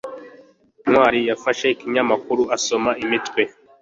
ntwali yafashe ikinyamakuru asoma imitwe